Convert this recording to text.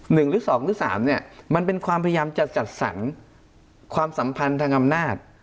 หรือสองหรือสามเนี่ยมันเป็นความพยายามจะจัดสรรความสัมพันธ์ทางอำนาจ